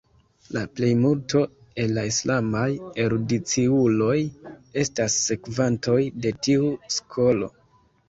La plejmulto el la islamaj erudiciuloj estas sekvantoj de tiu skolo.